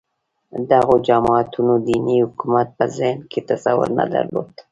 دغو جماعتونو دیني حکومت په ذهن کې تصور نه درلود